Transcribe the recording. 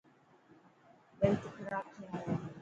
ڏنت کراب ٿيا هي.